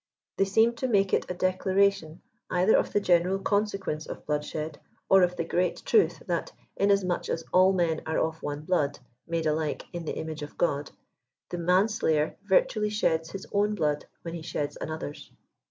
They seem to make it a declara 126 tion either of the general consequence of blood shed, or of the great truth that in&smuch as all men are of one blood/ made alike " in the image of God," the manslayer virtually sheds his own blood when he sheds another^s.